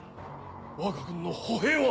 わが軍の歩兵は？